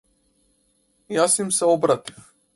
Јас им се обратив.